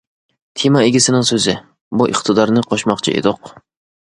تېما ئىگىسىنىڭ سۆزى : بۇ ئىقتىدارنى قوشماقچى ئىدۇق.